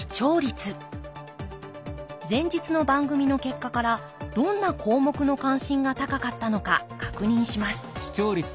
前日の番組の結果からどんな項目の関心が高かったのか確認します。